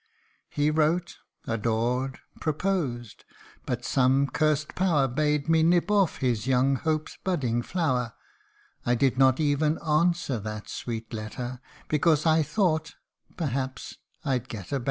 He wrote, adored, proposed but some curst power Bade me nip off his young Hope's budding flower : I did not even answer that sweet letter, Because I thought, perhaps, I'd get a better.